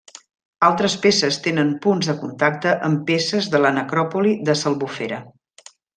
Altres peces tenen punts de contacte amb peces de la necròpoli de s'Albufera.